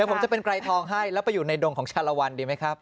ผมจะเป็นไกรทองให้แล้วไปอยู่ในดงของชาลวันดีไหมครับ